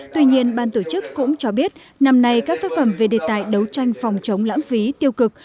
tuy nhiên ban tổ chức cũng cho biết năm nay các tác phẩm về đề tài đấu tranh phòng chống lãng phí tiêu cực